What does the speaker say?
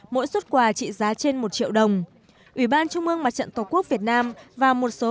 mỗi xuất quà trị giá trên một triệu đồng ủy ban trung ương mặt trận tổ quốc việt nam và một số